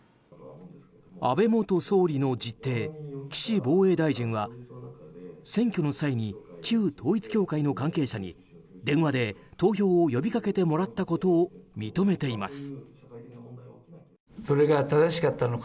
安倍元総理の実弟・岸防衛大臣は選挙の際に旧統一教会の関係者に電話で投票を呼び掛けてもらったことを認めています。